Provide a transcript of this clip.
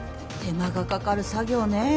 手間がかかる作業ね。